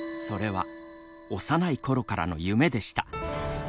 それは幼い頃からの夢でした。